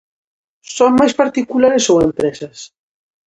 Son máis particulares ou empresas?